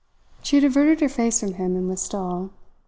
She had averted her face from him and was still.